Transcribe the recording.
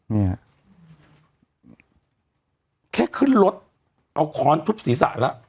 เนี่ยแค่ขึ้นรถเอาค้อนทุบศีรษะแล้ว